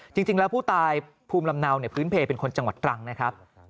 จริงแล้วผู้ตายภูมิลำเนาพื้นเพลเป็นคนจังหวัดตรังนะครับ